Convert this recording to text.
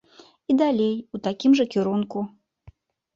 І далей у такім жа кірунку.